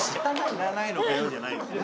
「知らないのかよ」じゃないの。